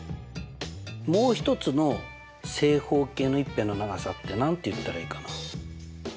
もう１つの正方形の１辺の長さって何て言ったらいいかな？